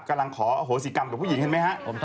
กำลังขออโหสิกรรมกับผู้หญิงเห็นไหมฮะ